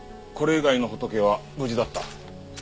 これ以外の仏は無事だった。